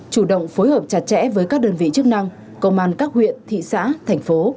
chủ động phối hợp chặt chẽ với các đơn vị chức năng công an các huyện thị xã thành phố